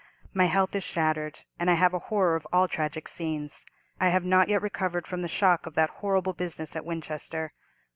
My health is shattered, and I have a horror of all tragic scenes. I have not yet recovered from the shock of that horrible business at Winchester.